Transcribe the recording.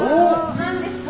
何ですか？